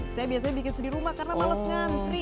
saya biasanya bikin sedih rumah karena males ngantri